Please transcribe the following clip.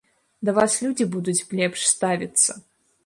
Да вас людзі будуць лепш ставіцца.